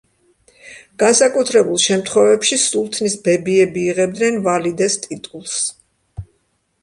განსაკუთრებულ შემთხვევებში, სულთნის ბებიები იღებდნენ ვალიდეს ტიტულს.